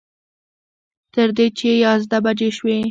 تر دې چې یازده بجې شوې.